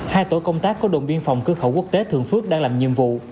hai tổ công tác có đồng biên phòng cư khẩu quốc tế thường phước đang làm nhiệm vụ